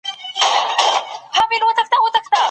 د قانون حاکميت د يوه سالم سياسي چاپېريال بنسټ جوړوي.